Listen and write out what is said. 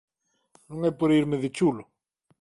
Non é por irme de chulo.